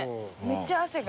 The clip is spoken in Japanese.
めっちゃ汗が。